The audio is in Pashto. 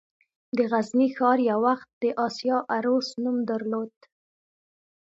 د غزني ښار یو وخت د «د اسیا عروس» نوم درلود